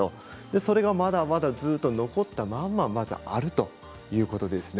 それがまだまだずっと残ったまままだあるということですね。